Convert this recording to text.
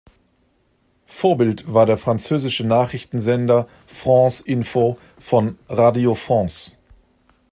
Vorbild war der französische Nachrichtensender France Info von Radio France.